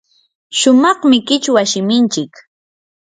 sumaqmi qichwa shiminchik.